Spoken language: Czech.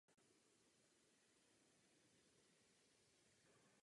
Literatura je tedy možným zdrojem k poznání a definování mechanismů lidské mysli.